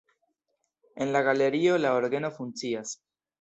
En la galerio la orgeno funkcias.